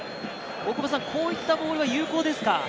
こういったボールは有効ですか？